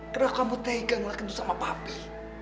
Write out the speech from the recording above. kenapa kamu tega ngelakuin itu sama papi